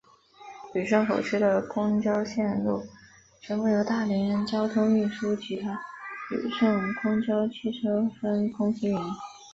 旅顺口区的公交线路全部由大连交通运输集团旅顺公交汽车分公司运营。